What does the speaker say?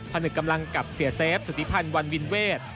นึกกำลังกับเสียเซฟสุธิพันธ์วันวินเวท